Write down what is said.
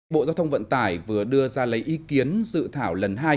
bộ giao thông vận tải vừa đưa ra lấy ý kiến dự thảo lần hai